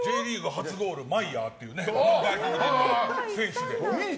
初ゴールマイヤー選手で。